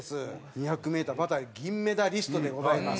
２００メーターバタフライ銀メダリストでございます。